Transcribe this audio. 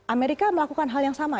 amerika melakukan hal yang sama